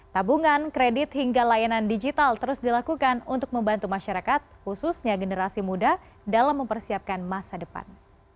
tabungan kredit hingga layanan digital terus dilakukan untuk membantu masyarakat khususnya generasi muda dalam mempersiapkan masa depan